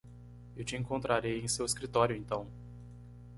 Eu te encontrarei em seu escritório então.